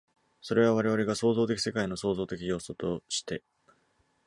それは我々が創造的世界の創造的要素として、